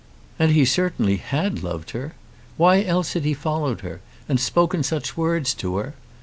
And he certainly had loved her. Why else had he followed her, and spoken such words to her?